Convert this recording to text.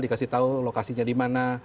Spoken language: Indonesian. dikasih tahu lokasinya di mana